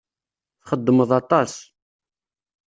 Txeddmeḍ aṭas.